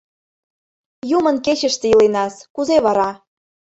Юмын кечыште иленас... кузе вара?..